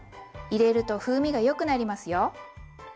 入れると風味がよくなりますよ。